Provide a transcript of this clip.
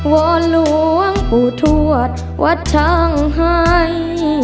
กราบหลวงพ่อแก้วที่โหมื่องชน